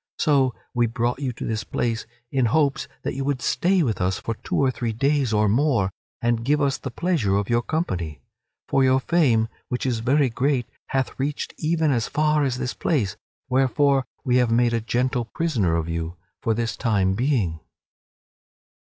So we brought you to this place in hopes that you would stay with us for two or three days or more, and give us the pleasure of your company. For your fame, which is very great, hath reached even as far as this place, wherefore we have made a gentle prisoner of you for this time being."